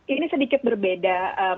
ini sedikit berbeda